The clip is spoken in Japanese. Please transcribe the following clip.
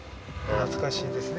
懐かしいですね